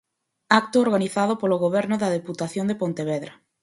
Acto organizado polo Goberno da Deputación de Pontevedra.